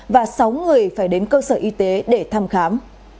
và sáu người phải đến cơ sở y tế để thăm khám